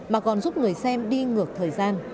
mà còn giúp người xem đi ngược thời gian